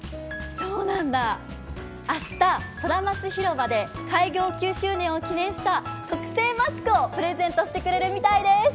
そうなんだ、明日、ソラマチ広場で開業９周年を記念した特製マスクをプレゼントしてくれるみたいです。